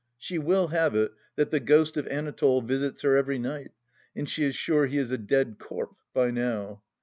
She will have it that the ghost of Anatole visits her every night, and she is sure he is a "dead corp" by now.